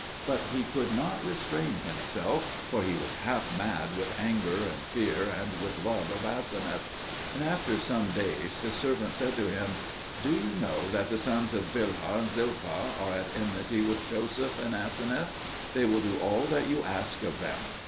But he could not restrain himself, for he was half mad with anger and fear and with love of Aseneth. And after some days his servants said to him, "Do you know that the sons of Bilhah and Zilpah are at enmity with Joseph and Aseneth? They will do all that you ask of them."